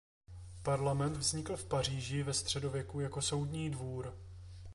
Parlament vznikl v Paříži ve středověku jako soudní dvůr.